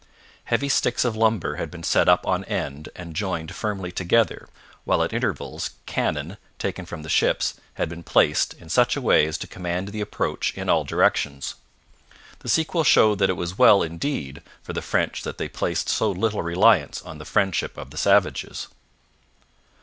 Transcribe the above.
Heavy sticks of lumber had been set up on end and joined firmly together, while at intervals cannon, taken from the ships, had been placed in such a way as to command the approach in all directions. The sequel showed that it was well, indeed, for the French that they placed so little reliance on the friendship of the savages.